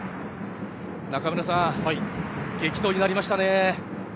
中村さん激闘になりましたね。